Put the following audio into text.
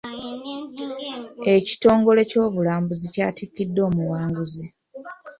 Ekitongole ky'obulambuzi kyatikidde omuwanguzi.